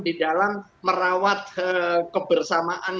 di dalam merawat kebersamaan